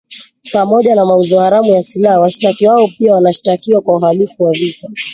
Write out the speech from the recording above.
Pamoja na mauzo haramu ya silaha, washtakiwa hao pia wanashtakiwa kwa uhalifu wa vita.